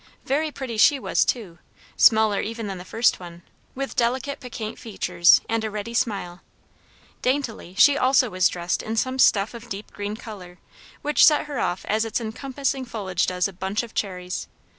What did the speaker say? Very pretty she was too; smaller even than the first one, with delicate, piquant features and a ready smile. Daintily she also was dressed in some stuff of deep green colour, which set her off as its encompassing foliage does a bunch of cherries.